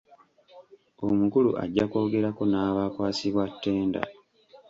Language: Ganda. Omukulu ajja kwogerako n'abaakwasibwa ttenda.